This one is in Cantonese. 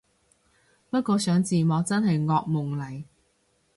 不過上字幕真係惡夢嚟